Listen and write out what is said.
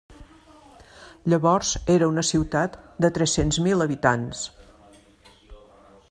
Llavors era una ciutat de tres-cents mil habitants.